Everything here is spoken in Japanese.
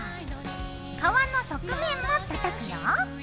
皮の側面も叩くよ。